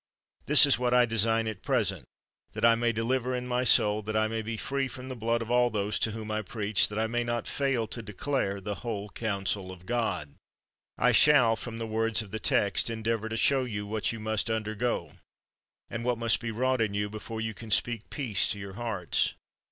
This is what I design at present, that I may deliver my soul, that I may be free from the blood of all those to whom I preach — that I may not fail to declare the whole counsel of God. I shall, from the words of the text, endeavor to show you what you must undergo and what must be wrought in you before you can speak peace to your hearts.